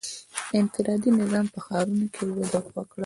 • انفرادي نظام په ښارونو کې وده وکړه.